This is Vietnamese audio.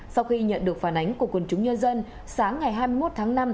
sau khi nhận được phản ánh của quân chúng nhân dân sáng ngày hai mươi một tháng năm